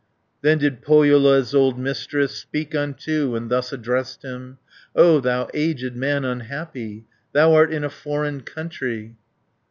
190 Then did Pohjola's old Mistress, Speak unto, and thus addressed him: "O thou aged man unhappy, Thou art in a foreign country!"